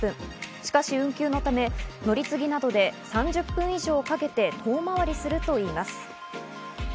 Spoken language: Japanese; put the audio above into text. しかし運休のため、乗り継ぎなどで３０分以上かけて遠回りするといいます。